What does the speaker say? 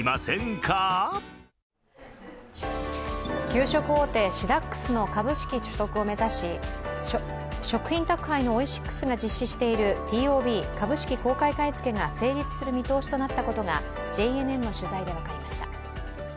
給食大手、シダックスの株式取得を目指し食品宅配のオイシックスが実施しているＴＯＢ＝公開買い付けが成立する見通しとなったことがＪＮＮの取材で分かりました。